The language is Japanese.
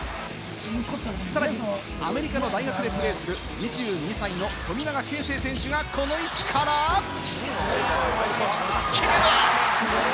さらにアメリカの大学でプレーする２２歳の富永啓生選手がこの位置から決めます！